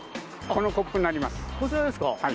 こちらですか。